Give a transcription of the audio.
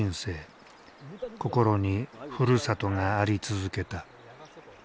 心にふるさとがあり続けた。